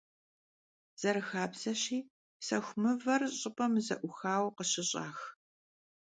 Zerıxabzeşi, sexu mıver ş'ıp'em ze'uxaue khışış'ax.